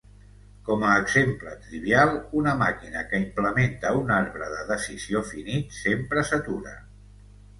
Com a exemple trivial, una màquina que implementa un arbre de decisió finit sempre s'atura.